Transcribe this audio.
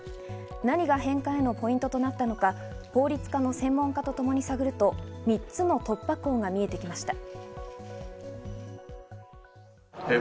何が返還へのポイントとなったのか、法律の専門家とともに探ると、３つの突破口が見えてきました。